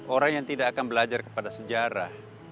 orang yang tidak akan belajar kepada sejarah